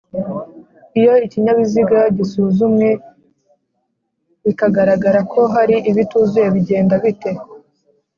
iyo ikinyabiziga gisuzumwe bikagaragara ko hari ibituzuye bigenda bite